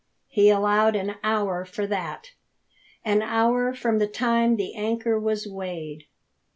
He allowed an hour for that an hour from the time the anchor was weighed..